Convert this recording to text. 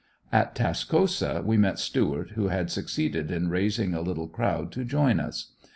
At Tascosa we met Stuart who had succeeded in raising a little crowd to join us.